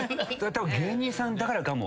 たぶん芸人さんだからかも。